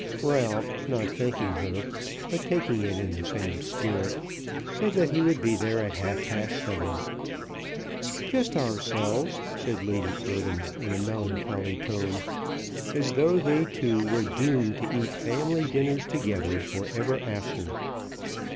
Ralph, not thanking her, but taking it in the same spirit, said that he would be there at half past seven. "Just ourselves," said Lady Eardham, in a melancholy tone, as though they two were doomed to eat family dinners together for ever after.